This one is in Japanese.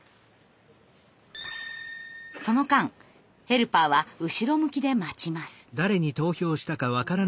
その間ヘルパーは後ろ向きで待ちます。